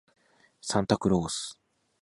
サンタクロース